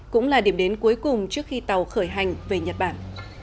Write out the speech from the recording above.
cũng là điểm đến cuối cùng trước khi tàu khởi hành về nhật bản